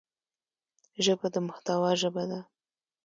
ژبه د محتوا ژبه ده